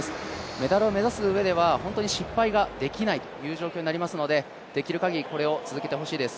メダルを目指すうえでは本当に失敗ができない状況になりますのでできる限り、これを続けてほしいです。